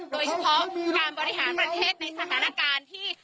โดยเฉพาะการบริหารประเทศในสถานการณ์ที่